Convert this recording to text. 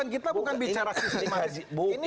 kita bukan bicara sistematis